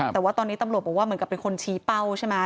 แต่ว่าตอนนี้ตำรวจบอกว่าเหมือนกับเป็นคนชี้เป้าใช่ไหม